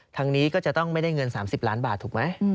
ทางนี้ก็จะต้องไม่ได้เงิน๓๐ล้านบาทถูกไหม